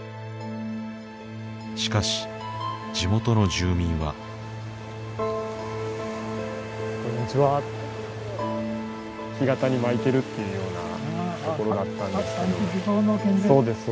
しかし地元の住民はこんにちは干潟にまいてるというような所だったんですけどそうです